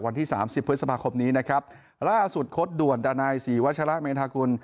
วันที่สามสิบภศพคมนี้นะครับล่าสุดควรด่วนดาแนนสีวัชละเมนาคุณ